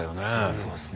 そうですね。